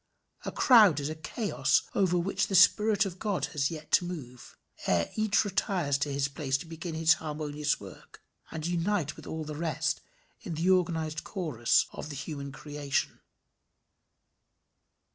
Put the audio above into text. A crowd is a chaos over which the Spirit of God has yet to move, ere each retires to his place to begin his harmonious work, and unite with all the rest in the organized chorus of the human creation.